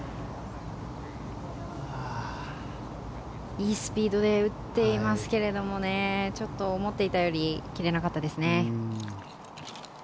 いいスピードで打っていますけどもねちょっと思っていたより切れなかったですね。